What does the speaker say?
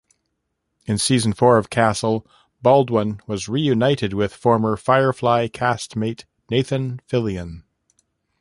In season four of "Castle", Baldwin was reunited with former "Firefly" castmate Nathan Fillion.